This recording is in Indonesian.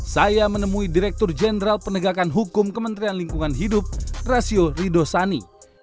saya menemui direktur jenderal penegakan hukum kementerian lingkungan hidup rasio ridosani